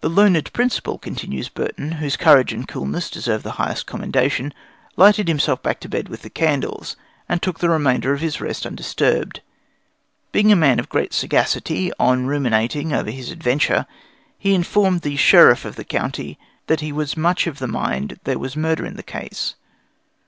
"The learned Principal," continues Burton, "whose courage and coolness deserve the highest commendation, lighted himself back to bed with the candles, and took the remainder of his rest undisturbed. Being a man of great sagacity, on ruminating over his adventure, he informed the Sheriff of the county 'that he was much of the mind there was murder in the case.'